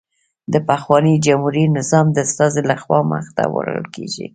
د پخواني جمهوري نظام د استازي له خوا مخته وړل کېږي